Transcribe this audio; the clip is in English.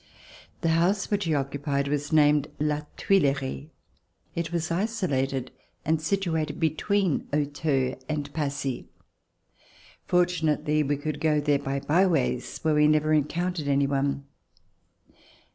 1 he house which he occupied was named La 1 uilerie. It was isolated and situated between Auteuil and Passy. Fortunately we could go there by byways where we never encountered any one.